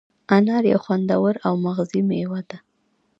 انار یو خوندور او مغذي مېوه ده.